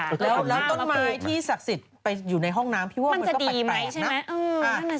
แล้วต้นไม้ที่ศักดิ์สิทธิ์ไปอยู่ในห้องน้ำพี่ว่ามันก็แปลกนะ